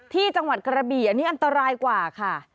ที่จังหวัดกระบี่อันนี้อันตรายกว่าค่ะ